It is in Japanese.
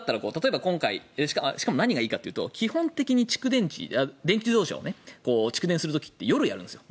しかも何がいいかというと基本的に電気自動車って蓄電する時って、夜やるんです。